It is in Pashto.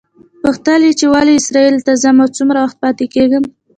پوښتل یې چې ولې اسرائیلو ته ځم او څومره وخت پاتې کېږم.